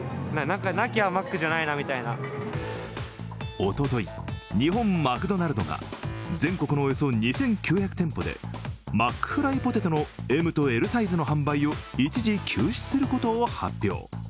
おととい、日本マクドナルドが全国のおよそ２９００店舗でマックフライポテトのＭとＬサイズの販売を一時休止することを発表。